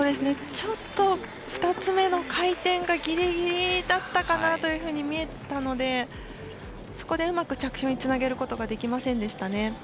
ちょっと２つ目の回転がギリギリだったかなというふうに見えたのでそこでうまく着氷につなぐことができませんでしたね。